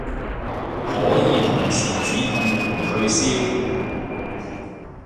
可以同時止痛同退燒